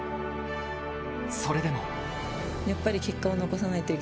［それでも］